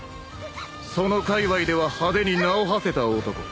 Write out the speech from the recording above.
そのかいわいでは派手に名をはせた男。